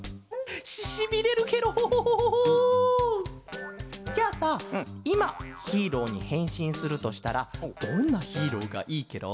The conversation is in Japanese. ししびれるケロ。じゃあさいまヒーローにへんしんするとしたらどんなヒーローがいいケロ？